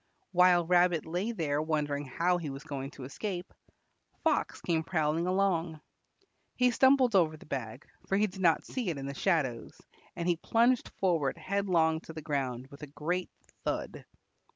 While Rabbit lay there wondering how he was going to escape, Fox came prowling along. He stumbled over the bag, for he did not see it in the shadows, and he plunged forward headlong to the ground with a great thud.